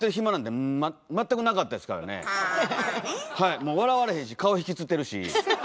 もう笑われへんし顔引きつってるし。